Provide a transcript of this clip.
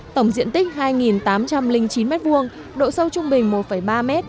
tổng diện tích hai tám trăm linh chín m hai độ sâu trung bình một ba m